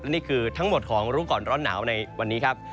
นี่คือทั้งหมดของรู้ก่อนร้อนหนาวในวันนี้ครับ